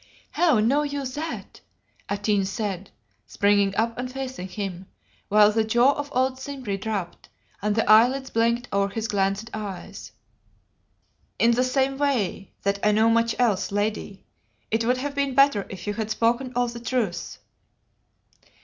"How know you that?" Atene said, springing up and facing him, while the jaw of old Simbri dropped and the eyelids blinked over his glazed eyes. "In the same way that I know much else. Lady, it would have been better if you had spoken all the truth."